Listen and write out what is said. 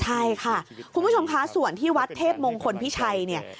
ใช่ค่ะคุณผู้ชมคะส่วนที่วัดเทพมงคลพิชัยเนี่ย